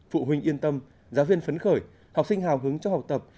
phụ huynh yên tâm giáo viên phấn khởi học sinh hào hứng cho học tập